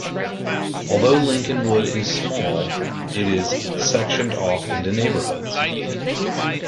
Although Lincolnwood is small, it is sectioned off into neighborhoods.